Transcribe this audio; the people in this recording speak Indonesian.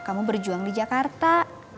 kamu berjuang di jakarta